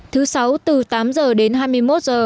thứ sáu từ tám giờ đến hai mươi một giờ